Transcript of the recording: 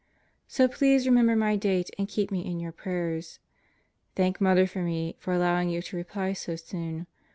So please remember my date and keep me in your prayers. Thank Mother for me for allowing you to reply so soon.